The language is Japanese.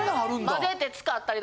混ぜて使ったり。